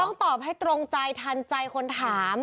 ต้องตอบให้ตรงใจทันใจคนถาม